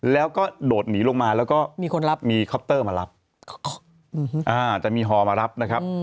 แล้วก็โดดหนีลงมาแล้วก็มีคนรับมีคอปเตอร์มารับจะมีฮอมารับนะครับ